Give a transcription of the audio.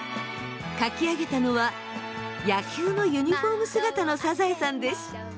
描き上げたのは野球のユニフォーム姿のサザエさんです。